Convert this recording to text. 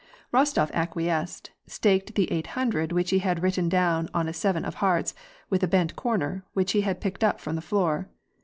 Rostof acquiesced, staked the eight hundred which he had written down on a seven of hearts with a bent corner, which he had picked up from the floor.